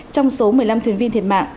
trong số một mươi năm thuyền viên thiệt mạng